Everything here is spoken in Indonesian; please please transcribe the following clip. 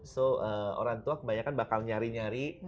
jadi orang tua kebanyakan bakal nyari nyari